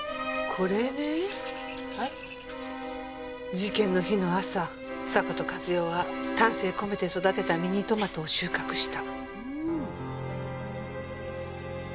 事件の日の朝迫田勝代は丹精込めて育てたミニトマトを収獲した。